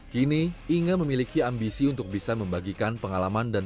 kini inge memiliki ambisi untuk bisa membagikan pengalaman dan